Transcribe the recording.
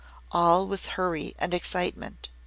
All was hurry and excitement.